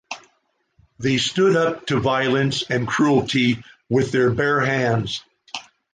They stood up to violence and cruelty with their bare hands.